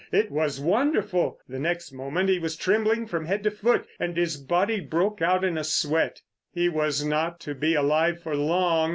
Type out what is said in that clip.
It was wonderful! The next moment he was trembling from head to foot, and his body broke out in a sweat. He was not to be alive for long.